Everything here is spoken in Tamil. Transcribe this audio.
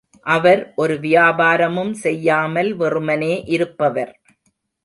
அவர் ஒரு வியாபாரமும் செய்யாமல் வெறுமனே இருப்பவர்.